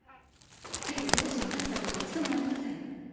けれど両親を恥じたことは一度もありません。